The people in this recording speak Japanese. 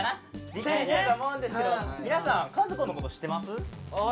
びっくりしてると思うんですけど皆さん和子のこと知ってます？